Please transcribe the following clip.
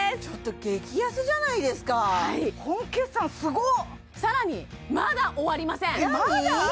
ちょっと激安じゃないですか本決算すごっさらにまだ終わりません